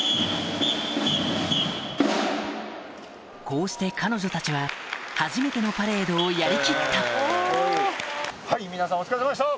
こうして彼女たちは初めてのパレードをやりきったお疲れさまでした。